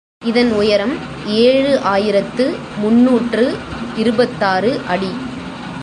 இதன் உயரம் ஏழு ஆயிரத்து முன்னூற்று இருபத்தாறு அடி.